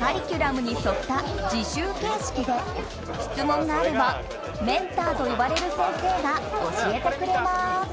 カリキュラムに沿った自習形式で質問があればメンターと呼ばれる先生が教えてくれます。